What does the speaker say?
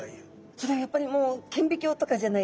それはやっぱりもう顕微鏡とかじゃないと？